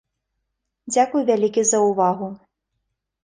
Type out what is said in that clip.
Дзякуй вялікі за ўвагу.